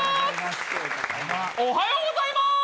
おはようございます！